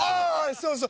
そうそう。